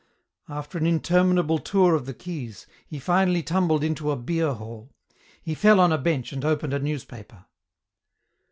After an interminable tour of the quays he finally tumbled into a beer hall. He fell on a bench and opened a newspaper.